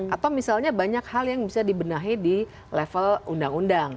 atau misalnya banyak hal yang bisa dibenahi di level undang undang